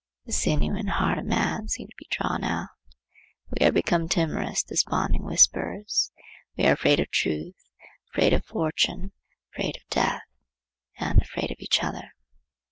The sinew and heart of man seem to be drawn out, and we are become timorous, desponding whimperers. We are afraid of truth, afraid of fortune, afraid of death and afraid of each other.